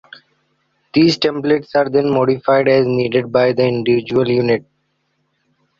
These templates are then modified as needed by the individual unit.